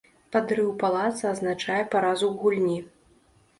Падрыў палаца азначае паразу ў гульні.